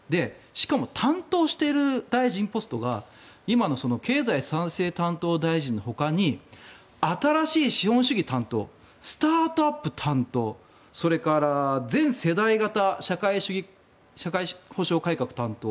しかも担当している大臣ポストが今の経済再生担当大臣のほかに新しい資本主義担当スタートアップ担当、それから全世代型社会保障改革担当